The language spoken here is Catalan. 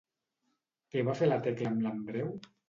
Què va fer la Tecla amb l'Andreu?